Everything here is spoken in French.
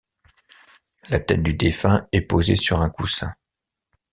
La tête du défunt est posée sur un coussin.